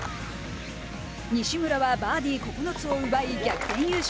西村はバーディー９つを奪い逆転優勝。